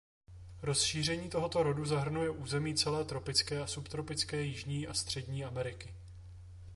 Rozšíření tohoto rodu zahrnuje území celé tropické a subtropické Jižní a Střední Ameriky.